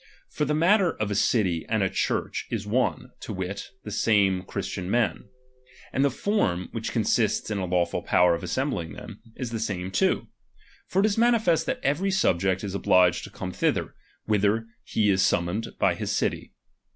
For the matter of a city and a Church is one, to wit, the same Christian men. And the,/bn«, which consists in a lawful power of assembling them, is the same too ; for it is manifest that every subject is obliged to come thither, whither he is summoned by his city.